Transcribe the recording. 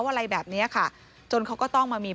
อะไรแบบเนี้ยค่ะจนเขาก็ต้องมามี